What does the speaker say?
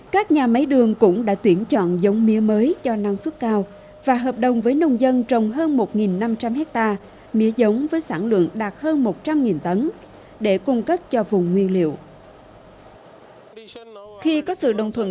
các nhà máy đường cũng đã thực hiện việc trồng mía có tưới trên cánh đồng lớn